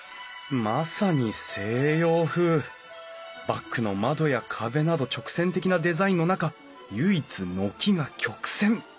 バックの窓や壁など直線的なデザインの中唯一軒が曲線。